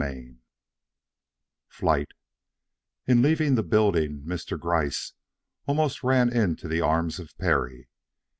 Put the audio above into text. XXIV FLIGHT In leaving the building Mr. Gryce almost ran into the arms of Perry.